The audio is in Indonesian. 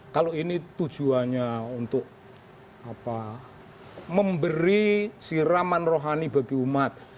kalau ini tujuannya untuk memberi siraman rohani bagi umat